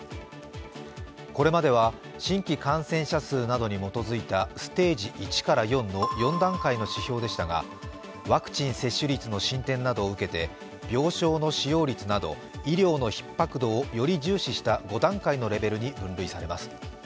これまでは新規感染者数などに基づいたステージ１４の４段階の指標でしたが、ワクチン接種率の進展などを受けて病床の使用率など医療のひっ迫度をより重視した５段階のレベルに分類されます。